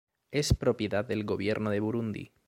Es propiedad del Gobierno de Burundi.